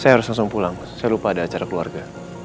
saya harus langsung pulang saya lupa ada acara keluarga